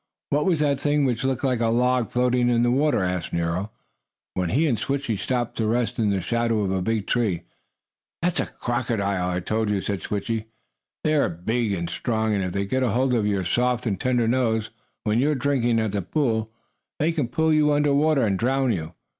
What was that thing which looked like a log floating in the water?" asked Nero, when he and Switchie stopped to rest in the shadow of a big tree. "That's a crocodile, I told you!" said Switchie. "They are very big and strong, and if they get hold of your soft and tender nose, when you are drinking at the pool, they can pull you under water and drown you.